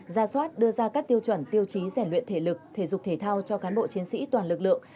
ra soát đưa ra các tiêu chuẩn tiêu chí rèn luyện thể lực thể dục thể thao cho cán bộ chiến sĩ toàn lực lượng